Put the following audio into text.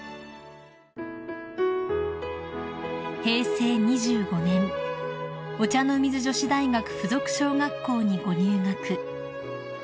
［平成２５年お茶の水女子大学附属小学校にご入学］